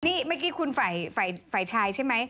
นี่เมื่อกี้คุณฝ่ายชายใช่ไหม